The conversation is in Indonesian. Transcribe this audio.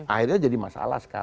akhirnya jadi masalah sekarang